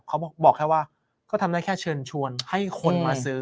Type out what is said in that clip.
เขาบอกแค่ว่าก็ทำได้แค่เชิญชวนให้คนมาซื้อ